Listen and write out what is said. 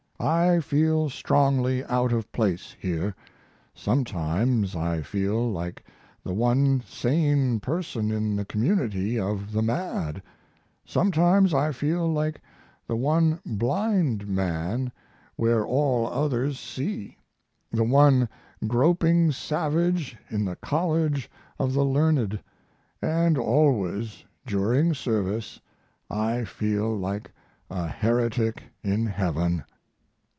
I feel strongly out of place here. Sometimes I feel like the one sane person in the community of the mad; sometimes I feel like the one blind man where all others see; the one groping savage in the college of the learned, and always during service I feel like a heretic in heaven.